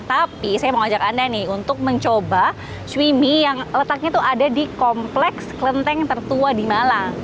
tapi saya mau ajak anda nih untuk mencoba cui mie yang letaknya tuh ada di kompleks kelenteng tertua di malang